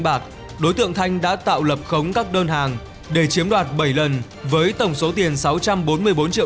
bạc đối tượng thanh đã tạo lập khống các đơn hàng để chiếm đoạt bảy lần với tổng số tiền sáu trăm bốn mươi bốn triệu